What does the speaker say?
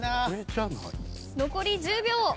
残り１０秒。